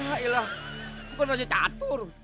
alah bukan raja catur